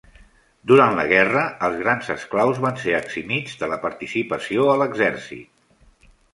Durant la guerra, els grans esclaus van ser eximits de la participació a l'exèrcit.